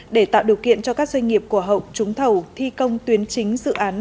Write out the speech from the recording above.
để tạo điều kiện cho các doanh nghiệp của hậu trúng thầu thi công tuyến chính dự án